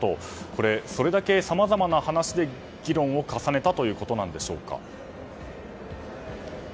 これ、それだけさまざまな話で議論を重ねたということなんでしょうか。